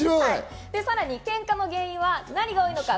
さらに喧嘩の原因は何が多いのか。